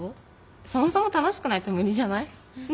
そもそも楽しくないと無理じゃない？ねえ？